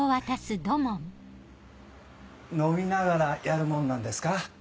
飲みながらやるもんなんですか？